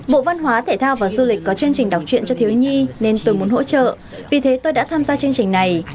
bộ văn hóa thể thao và du lịch có chương trình đọc chuyện cho thiếu nhi nên tôi muốn hỗ trợ vì thế tôi đã tham gia chương trình này